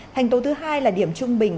đang đến rất gần